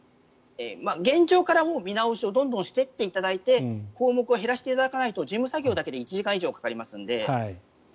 現状からもう見直しをどんどんしていっていただいて項目を減らしていただかないと事務作業だけで入力ですね。